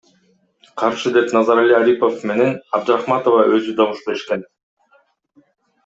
Каршы деп Назарали Арипов менен Абдрахматова өзү добуш беришкен.